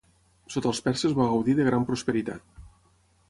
Sota els perses va gaudir de gran prosperitat.